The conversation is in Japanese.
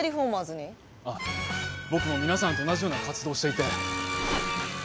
あっ僕も皆さんと同じような活動をしていて。